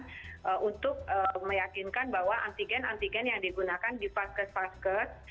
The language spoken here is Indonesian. kita juga melakukan pengawasan di lapangan untuk meyakinkan bahwa antigen antigen yang digunakan di paskes paskes